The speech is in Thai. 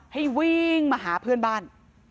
ให้วิ่งมาหาเพื่อนบ้าน